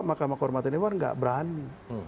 mkd tidak berani